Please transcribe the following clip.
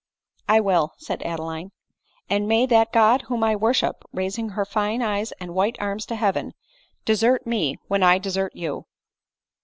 " I will," said Adeline ;" and may that God whom I worship, (raising her fine eyes and white arms to heaven,) desert me when I desert you